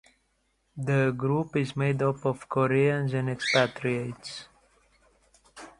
The group is made up of Koreans and expatriates.